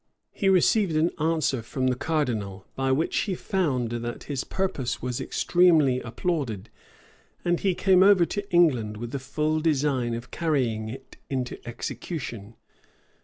He received an answer from the cardinal, by which he found that his purpose was extremely applauded; and he came over to England with a full design of carrying it into execution.